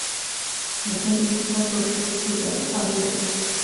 每天必须操作数次的换液。